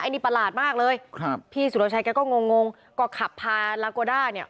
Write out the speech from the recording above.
ไอ้นี่ประหลาดมากเลยพี่สุรชัยแกก็งงก็ขับพาลากวาด้าเนี่ย